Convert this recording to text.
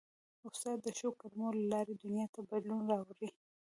استاد د ښو کلمو له لارې دنیا ته بدلون راولي.